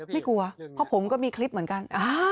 ไม่กลัวเพราะผมก็มีคลิปเหมือนกัน